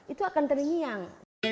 itu akan terhiang